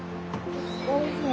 おいしい。